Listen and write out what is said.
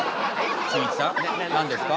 しんいちさん何ですか？